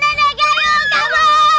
nenek gayung kabur